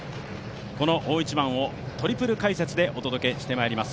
この大一番をトリプル解説でお送りしてまいります。